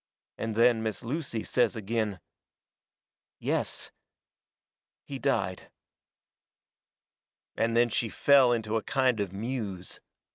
And then Miss Lucy says agin: "Yes he died." And then she fell into a kind of a muse.